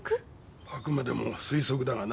あくまでも推測だがな。